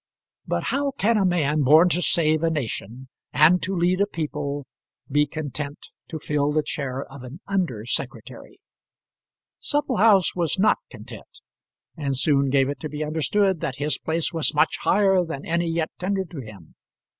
But how can a man born to save a nation, and to lead a people, be content to fill the chair of an under secretary? Supplehouse was not content, and soon gave it to be understood that his place was much higher than any yet tendered to him.